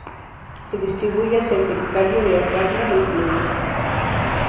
Se distribuye hacia el pericardio, diafragma y pleura.